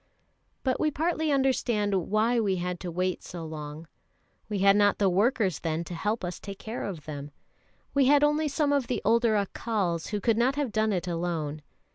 But we partly understand why we had to wait so long; we had not the workers then to help us to take care of them. We had only some of the older Accals, who could not have done it alone.